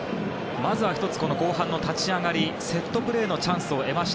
まずは１つ後半立ち上がりセットプレーのチャンス